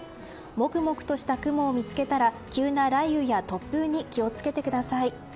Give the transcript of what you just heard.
もくもくとした雲を見つけたら急な雷雨や突風に気を付けてください。